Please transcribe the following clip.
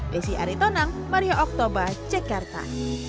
desi aritonang maria oktober jakarta